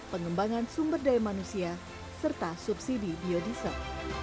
pengembangan sumber daya manusia serta subsidi biodiesel